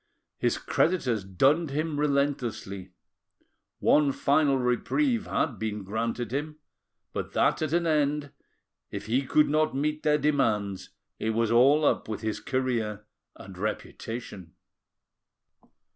His creditors dunned him relentlessly: one final reprieve had been granted him, but that at an end, if he could not meet their demands, it was all up with his career and reputation.